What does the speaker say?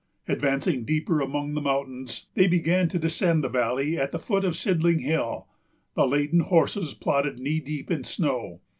Advancing deeper among the mountains, they began to descend the valley at the foot of Sidling Hill. The laden horses plodded knee deep in snow.